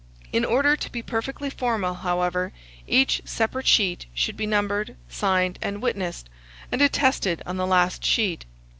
In order to be perfectly formal, however, each separate sheet should be numbered, signed, and witnessed, and attested on the last sheet.